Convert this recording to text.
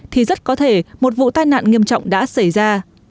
thì rất có thể một vụ tai nạn nghiêm trọng đã xảy ra